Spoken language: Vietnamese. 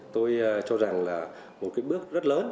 tôi cho rằng là một bước rất lớn